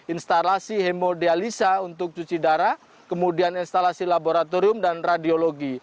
instalasi hemodialisa untuk cuci darah kemudian instalasi laboratorium dan radiologi